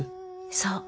そう。